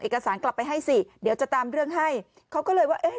สารกลับไปให้สิเดี๋ยวจะตามเรื่องให้เขาก็เลยว่าเอ๊ะ